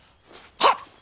はっ！